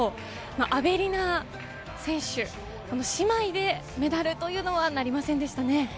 アベリナ姉妹でメダルというのはなりませんでした。